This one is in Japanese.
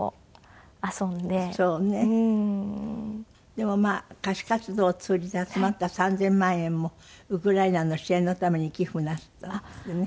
でもまあ歌手活動を通じて集まった３０００万円もウクライナの支援のために寄付をなすったんですってね。